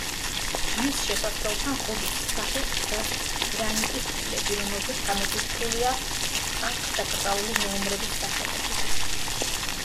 მის შესასვლელთან ღობის სახით დგას გრანიტის ფილები, რომელზეც ამოტვიფრულია აქ დაკრძალული მეომრების სახელები.